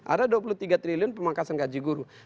ada dua puluh tiga triliun pemangkasan gaji guru